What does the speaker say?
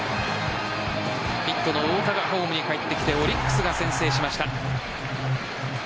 ヒットの太田がホームにかえってきてオリックスが先制しました。